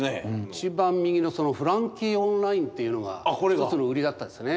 一番右の「フランキー・オンライン」っていうのが１つの売りだったですね。